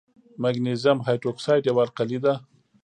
مګنیزیم هایدروکساید یوه القلي ده.